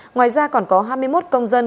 ngoài ra còn có hai mươi một công dân không bị bắt